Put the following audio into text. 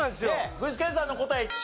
具志堅さんの答え父。